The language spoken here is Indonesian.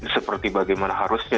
seperti bagaimana harusnya